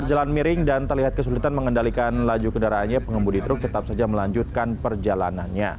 jika melakukan laju kendaraannya pengemudi truk tetap saja melanjutkan perjalanannya